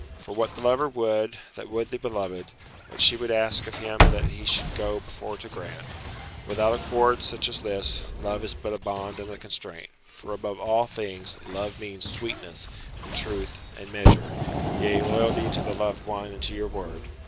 For what the lover would, that would the beloved; what she would ask of him that should he go before to grant. Without accord such as this, love is but a bond and a constraint. For above all things Love means sweetness, and truth, and measure; yea, loyalty to the loved one and to your word.